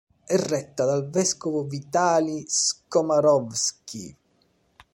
È retta dal vescovo Vitalij Skomarovs'kyj.